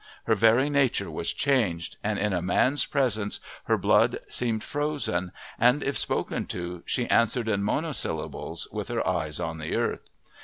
Her very nature was changed, and in a man's presence her blood seemed frozen, and if spoken to she answered in monosyllables with her eyes on the earth.